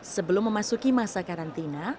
sebelum memasuki masa karantina